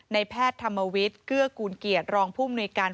แพทย์ธรรมวิทย์เกื้อกูลเกียรติรองผู้มนุยการ